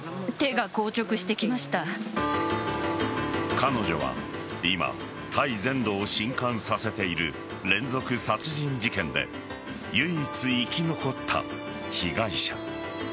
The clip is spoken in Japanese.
彼女は今タイ全土を震撼させている連続殺人事件で唯一生き残った被害者。